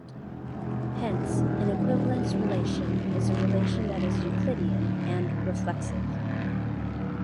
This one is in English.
Hence an equivalence relation is a relation that is "Euclidean" and "reflexive".